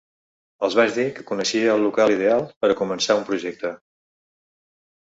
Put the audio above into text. Els vaig dir que coneixia el local ideal per a començar un projecte.